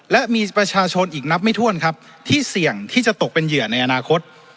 และมีประชาชนอีกนับไม่ถ้วนครับที่เสี่ยงที่จะตกเป็นเหยื่อในอนาคต